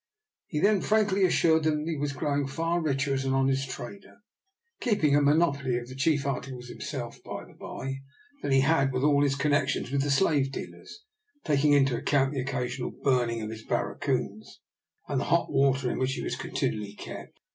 He then frankly assured them that he was growing far richer as an honest trader, keeping a monopoly of the chief articles himself, by the by, than he had by all his connexions with the slave dealers, taking into account the occasional burning of his barracoons, and the hot water in which he was continually kept.